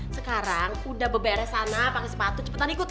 sekarang udah beberes sana pake sepatu cepetan ikut